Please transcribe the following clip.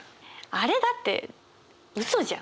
あれだってウソじゃん。